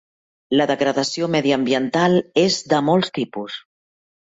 La degradació mediambiental és de molts tipus.